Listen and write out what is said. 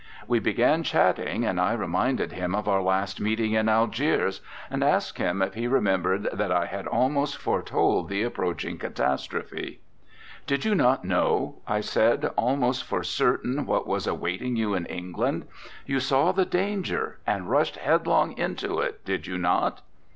We began chatting, and I reminded him of our last meeting in Algiers, and asked him if he remembered that I had almost foretold the approaching catastrophe. 'Did you not know,' I said, 'almost for certain what was awaiting you in England? You saw the danger and rushed headlong into it, did you not?'